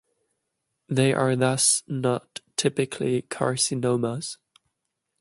They are thus not typically carcinomas.